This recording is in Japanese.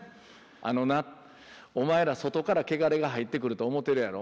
あのなお前ら外からけがれが入ってくると思てるやろ。